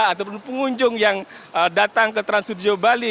ataupun pengunjung yang datang ke trans studio bali